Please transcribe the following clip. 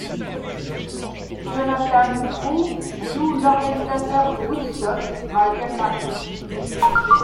Jonathan Groff joue l'organisateur de Woodstock Michael Lang.